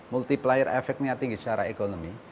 multi player efeknya tinggi secara ekonomi